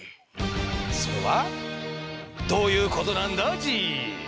それはどういうことなんだＧ？